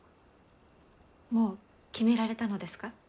もう決められたのですか？